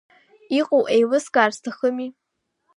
Иҟоу еилыскаар сҭахыми.